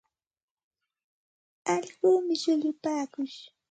Allquumi shullupaakush.